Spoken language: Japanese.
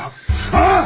ああ？